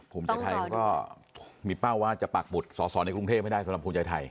ภูมิใจไทยเขาก็มีเป้าว่าจะปากบุตรสอสอในกรุงเทพให้ได้สำหรับภูมิใจไทย